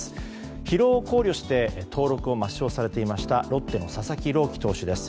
疲労を考慮して登録を抹消されていましたロッテの佐々木朗希投手です。